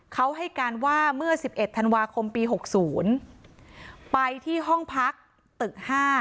เขาให้การว่าเมื่อสิบเอ็ดธันวาคมปีหกศูนย์ไปที่ห้องพักตึกห้า